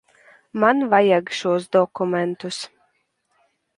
Man vajag šos dokumentus.